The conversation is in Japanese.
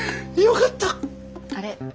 あれ？